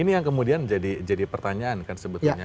ini yang kemudian jadi pertanyaan kan sebetulnya